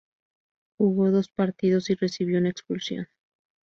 Jugó dos partidos y recibió una expulsión.